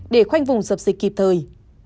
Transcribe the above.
để khoanh vùng dập dịch kịp thời